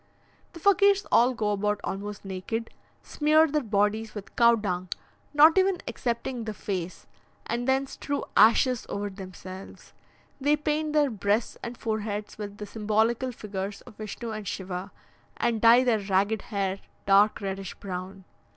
The Fakirs all go about almost naked, smear their bodies with cow dung, not even excepting the face; and then strew ashes over themselves. They paint their breasts and foreheads with the symbolical figures of Vishnu and Shiva, and dye their ragged hair dark reddish brown.